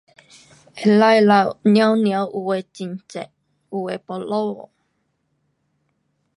可以啦，凉凉，有的很热，有的要下雨。